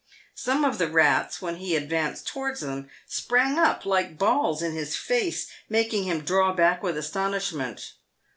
Some of the rats, when he advanced towards them, sprang up like balls in his face, making him draw back with astonishment.